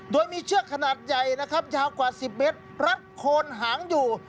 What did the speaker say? โดยมีเชือกขนาดใหญ่นะครับยาวกว่า๑๐เมตรรัดโคนหางอยู่